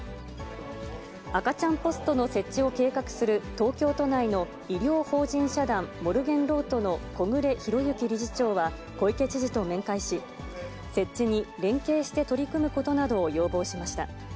赤ちゃんポストの設置を計画する東京都内の医療法人社団モルゲンロートの小暮裕之理事長は小池知事と面会し、設置に連携して取り組むことなどを要望しました。